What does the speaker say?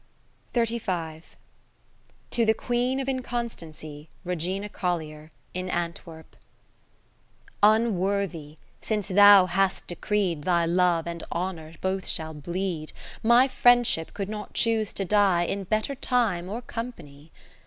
So To the Queen of Inconstancy, Regina Collier, in Antwerp I Unworthy, since thou hast decreed Thy Love and honour both shall bleed. My Friendship could not choose to die In better time or company.